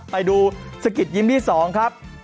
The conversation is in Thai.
ไปดูสะกิดยิ้มที่๒ครับ